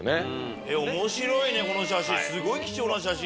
面白いねこの写真すごい貴重な写真！